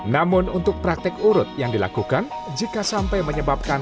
namun untuk praktek urut yang dilakukan jika sampai menyebabkan